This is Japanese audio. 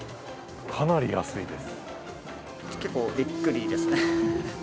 かなり安いです。